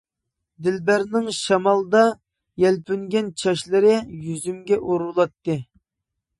دىلبەرنىڭ شامالدا يەلپۈنگەن چاچلىرى يۈزۈمگە ئۇرۇلاتتى.